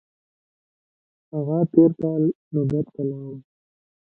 هغه تېر کال لوګر ته لاړ.